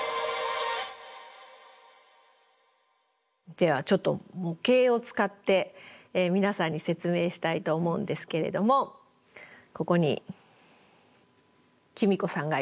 ではちょっと模型を使って皆さんに説明したいと思うんですけれどもここに公子さんがいます。